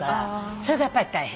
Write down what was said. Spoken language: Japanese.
それがやっぱり大変。